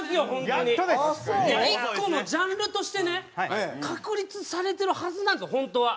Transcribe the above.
１個のジャンルとしてね確立されてるはずなんですよ本当は。